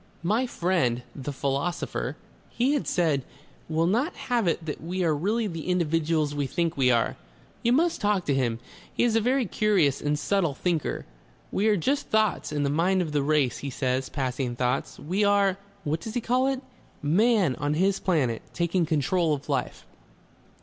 "My friend, the philosopher," he had said, "will not have it that we are really the individuals we think we are. You must talk to him he is a very curious and subtle thinker. We are just thoughts in the Mind of the Race, he says, passing thoughts. We are what does he call it? Man on his Planet, taking control of life."